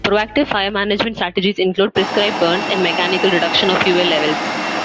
Proactive fire management strategies include prescribed burns and mechanical reduction of fuel levels.